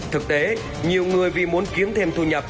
thực tế nhiều người vì muốn kiếm thêm thu nhập